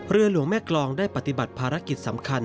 เรือหลวงแม่กรองได้ปฏิบัติภารกิจสำคัญ